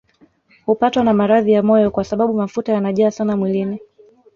Hupatwa na maradhi ya moyo kwa sababu mafuta yanajaa sana mwilini